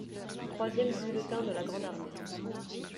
Troisième bulletin de la grande armée.